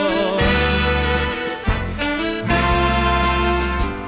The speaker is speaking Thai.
ภาคสมโทรแสงอำไพย